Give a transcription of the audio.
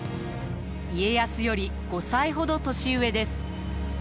家康より５歳ほど年上です。